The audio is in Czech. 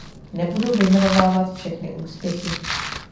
Nebudu vyjmenovávat všechny úspěchy.